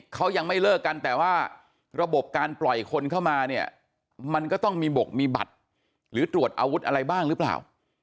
เขายังไม่เลิกกันแต่ว่าระบบการปล่อยคนเข้ามาเนี่ยมันก็ต้องมีบกมีบัตรหรือตรวจอาวุธอะไรบ้างหรือเปล่า